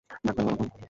Doctor, ও আমার বোন।